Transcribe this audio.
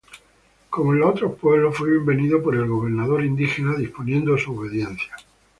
Como en los otros pueblos, fue bienvenido por el gobernador indígena, disponiendo su obediencia.